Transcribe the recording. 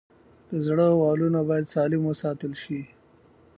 د زړه والونه باید سالم وساتل شي.